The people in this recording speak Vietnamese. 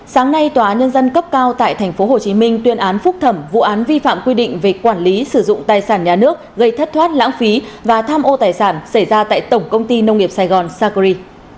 sáng nay tòa nhân dân cấp cao tại tp hcm tuyên án phúc thẩm vụ án vi phạm quy định về quản lý sử dụng tài sản nhà nước gây thất thoát lãng phí và tham ô tài sản xảy ra tại tổng công ty nông nghiệp sài gòn sacri